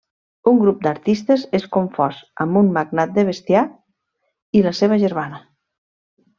Un grup d’artistes és confós amb un magnat de bestiar i la seva germana.